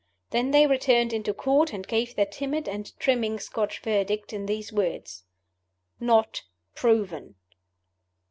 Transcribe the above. Then they returned into Court, and gave their timid and trimming Scotch Verdict in these words: "Not Proven."